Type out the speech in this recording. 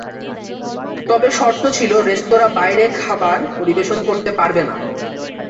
তবে শর্ত ছিলো রেস্তোরাঁ বাইরে খাবার পরিবেশন করতে পারবে না।